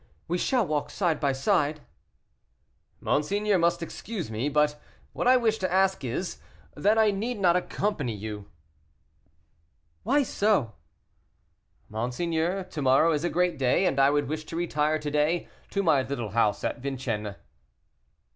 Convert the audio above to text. we shall walk side by side." "Monseigneur must excuse me, but what I wished to ask is, that I need not accompany you." "Why so?" "Monseigneur, to morrow is a great day, and I would wish to retire to day to my little house at Vincennes."